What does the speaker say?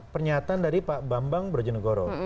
pernyataan dari pak bambang brojonegoro